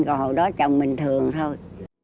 còn hồi đó chồng bình thường thôi